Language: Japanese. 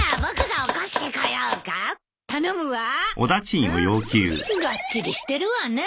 がっちりしてるわね。